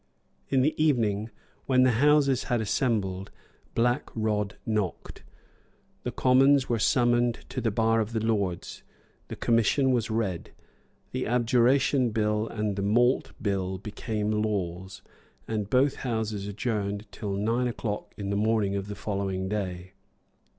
In the evening, when the Houses had assembled, Black Rod knocked. The Commons were summoned to the bar of the Lords; the commission was read, the Abjuration Bill and the Malt Bill became laws, and both Houses adjourned till nine o'clock in the morning of the following day.